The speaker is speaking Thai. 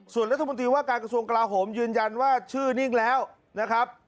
ส่วนรัฐมนตรีว่าการกระทรวงกลาโหมยืนยันว่าชื่อนิ่งแล้วนะครับ